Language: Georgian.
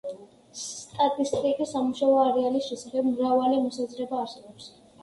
სტატისტიკის სამუშაო არეალის შესახებ მრავალი მოსაზრება არსებობს.